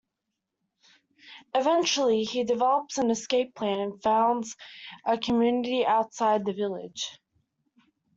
Eventually, he develops an escape plan and founds a community outside the village.